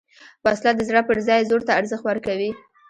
وسله د زړه پر ځای زور ته ارزښت ورکوي